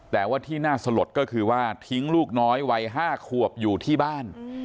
แต่ว่าที่น่าสลดก็คือว่าทิ้งลูกน้อยวัย๕ขวบอยู่ที่บ้าน